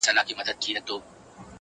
• د خرقې د پېرودلو عقل خام دی ,